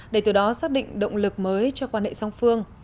để từ đó xác định động lực mới cho quan hệ song phương